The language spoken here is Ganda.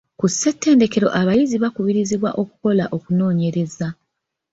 Ku ssettendekero abayizi bakubirizibwa okukola okunonyereza.